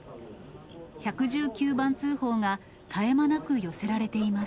１１９番通報が絶え間なく寄せられています。